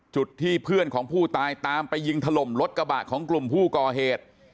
จุดที่เพื่อนของผู้ตายตามไปยิงถล่มรถกระบะของกลุ่มผู้ก่อเหตุ